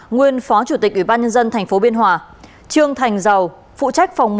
nguyên phó chủ tịch ủy ban nhân dân tp biên hòa trương thành giàu phụ trách phòng một